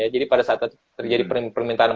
jadi pada saat terjadi permintaan dan